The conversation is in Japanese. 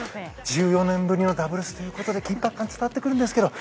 １４年ぶりのダブルスということで緊迫感が伝わってくるんですけど。